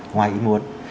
ngoài ý muốn